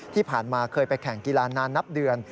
ที่ผ่านมาเคยไปแข่งกีฬานานนับเดือน